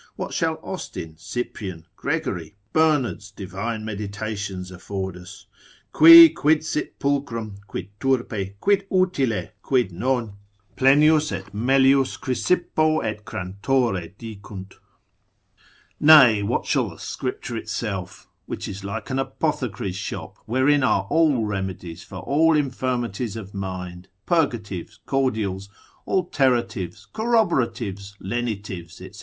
What shall Austin, Cyprian, Gregory, Bernard's divine meditations afford us? Qui quid sit pulchrum, quid turpe, quid utile, quid non, Plenius et melius Chrysippo et Crantore dicunt. Nay, what shall the Scripture itself? Which is like an apothecary's shop, wherein are all remedies for all infirmities of mind, purgatives, cordials, alteratives, corroboratives, lenitives, &c.